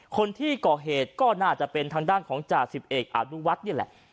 คนที่ก่อเหตุก็น่าจะเป็นทางด้านของจ่าสิบเอกอนุวัฒน์นี่แหละ